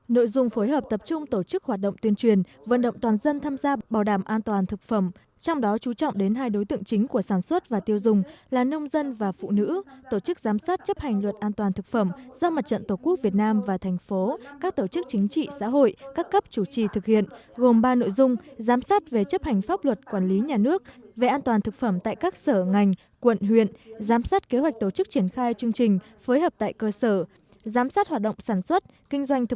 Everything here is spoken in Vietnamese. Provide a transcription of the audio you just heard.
nội dung phối hợp tập trung tổ chức hoạt động tuyên truyền vận động toàn dân tham gia bảo đảm an toàn thực phẩm trong đó chú trọng đến hai đối tượng chính của sản xuất và tiêu dùng là nông dân và phụ nữ tổ chức giám sát chấp hành luật an toàn thực phẩm do mặt trận tổ quốc việt nam và thành phố các tổ chức chính trị xã hội các cấp chủ trì thực hiện gồm ba nội dung giám sát về chấp hành pháp luật quản lý nhà nước về an toàn thực phẩm tại các sở ngành quận huyện giám sát kế hoạch tổ chức triển khai chương trình phối h